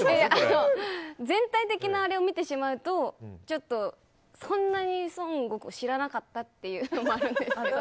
全体的なあれを見てしまうとちょっと、そんなに孫悟空を知らなかったということもあるんですけど。